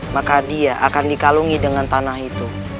maka dia akan dikalungi dengan tanah itu